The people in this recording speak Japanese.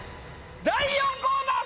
第４コーナー